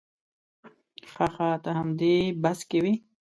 ښه ښه ته همدې بس کې وې.